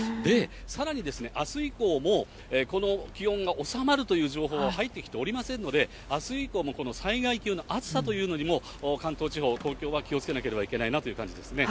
さらにですね、あす以降も、この気温が収まるという情報は入ってきておりませんので、あす以降もこの災害級の暑さというのにも、関東地方、東京は気をつけなければいけないなという感じですね。